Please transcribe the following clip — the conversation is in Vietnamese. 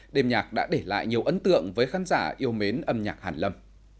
đêm nhạc đã để lại nhiều ấn tượng với khán giả yêu mến âm nhạc hàn lâm